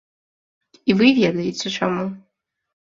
І вы ведаеце чаму.